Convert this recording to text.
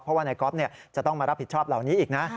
เพราะว่านายก๊อฟจะต้องมารับผิดชอบเหล่านี้อีกนะ